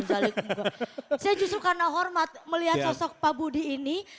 saya justru karena hormat melihat sosok pak budi ini